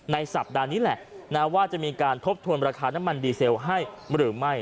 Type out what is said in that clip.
สัปดาห์นี้แหละว่าจะมีการทบทวนราคาน้ำมันดีเซลให้หรือไม่